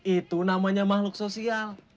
itu namanya makhluk sosial